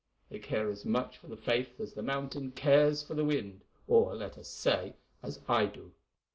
They care as much for the Faith as the mountain cares for the wind, or, let us say, as I do.